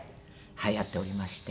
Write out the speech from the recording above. はやっておりまして。